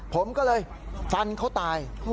ผมก็เลยฟันเขาตาย